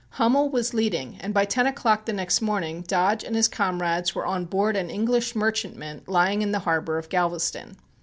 Hummel was leading and by ten o'clock the next morning Dodge and his comrades were on board an English merchantman lying in the harbor of Galveston.